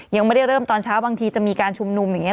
ยังไม่ได้เริ่มตอนเช้าบางทีจะมีการชุมนุมอย่างนี้